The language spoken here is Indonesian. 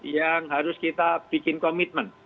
yang harus kita bikin komitmen